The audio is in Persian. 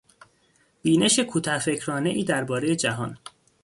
بینش کوته فکرانهای دربارهی جهان